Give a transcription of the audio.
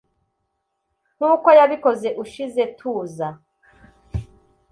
nkuko yabikoze ushize tuza